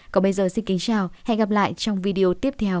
còn bây giờ xin kính chào và hẹn gặp lại trong video tiếp theo